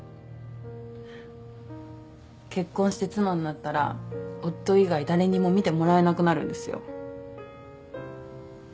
結婚して妻になったら夫以外誰にも見てもらえなくなるんですよ。